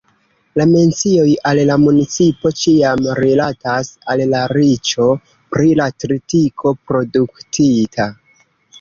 La mencioj al la municipo ĉiam rilatas al la riĉo pri la tritiko produktita.